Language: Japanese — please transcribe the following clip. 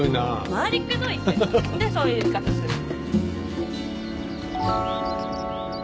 回りくどいってなんでそういう言い方するの？